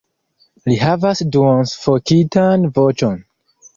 Li havas duonsufokitan voĉon.